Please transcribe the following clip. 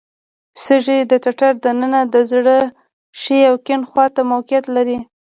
سږي د ټټر د ننه د زړه ښي او کیڼ خواته موقعیت لري.